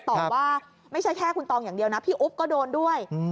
ตอบว่าไม่ใช่แค่คุณตองอย่างเดียวนะพี่อุ๊บก็โดนด้วย